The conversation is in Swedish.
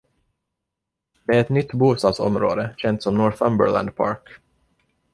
Det är ett nytt bostadsområde känt som Northumberland Park.